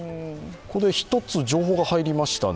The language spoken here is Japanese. ここで１つ情報が入りましたね。